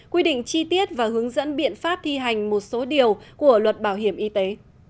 quy định chi tiết và hướng dẫn biện pháp thi hành một số điều của luật bảo hiểm y tế